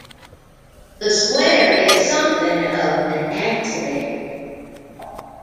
The square is something of an accident.